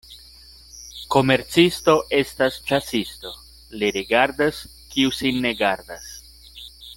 Komercisto estas ĉasisto, li rigardas, kiu sin ne gardas.